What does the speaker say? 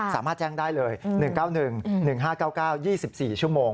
สามารถแจ้งได้เลย๑๙๑๑๕๙๙๒๔ชั่วโมง